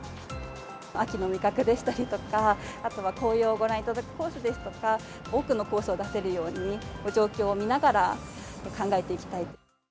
秋の味覚でしたりとか、あとは紅葉をご覧いただくコースですとか、多くのコースを出せるように、状況を見ながら、考えていきたい。